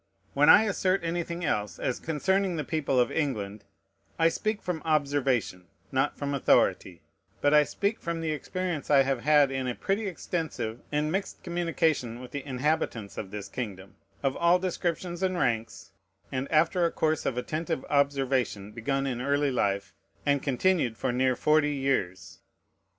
When I assert anything else, as concerning the people of England, I speak from observation, not from authority; but I speak from the experience I have had in a pretty extensive and mixed communication with the inhabitants of this kingdom, of all descriptions and ranks, and after a course of attentive observation, begun in early life, and continued for near forty years.